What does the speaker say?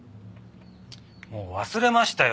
もう忘れましたよ